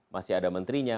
masih ada menterinya